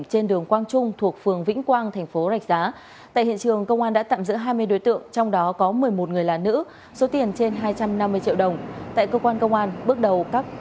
hồng chú tại phường vĩnh quang thành phố rạch giá đứng ra tổ chức